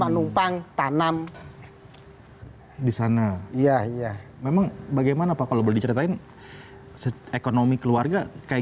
menumpang tanam di sana iya iya memang bagaimana pak kalau boleh diceritain ekonomi keluarga kayak